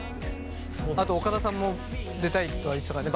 あと岡田さんも「出たい」とは言ってたからね